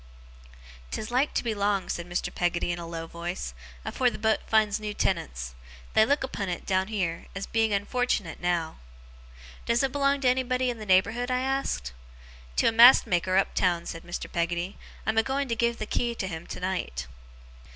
''Tis like to be long,' said Mr. Peggotty, in a low voice, 'afore the boat finds new tenants. They look upon 't, down heer, as being unfortunate now!' 'Does it belong to anybody in the neighbourhood?' I asked. 'To a mast maker up town,' said Mr. Peggotty. 'I'm a going to give the key to him tonight.